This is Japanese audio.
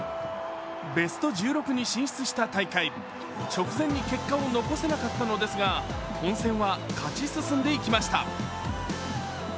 ベスト１６に進出した大会、直前に結果を残せなかったのですが本戦は勝ち進んでいきました。